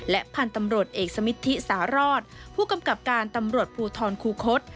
พันธุ์ตำรวจเอกสมิทธิสารอดผู้กำกับการตำรวจภูทรคูคศ